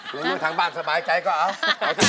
เฮอเนี่ยสบายใจขึ้นเยอะเลยโอ้ว